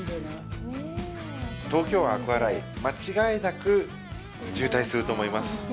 東京湾アクアライン、間違いなく渋滞すると思います。